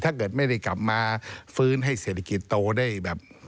ถ้าเกิดไม่ได้กลับมาฟื้นให้เศรษฐกิจโตได้แบบ